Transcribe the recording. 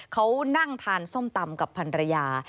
เขานั่งทานส้มตำกับพันรยา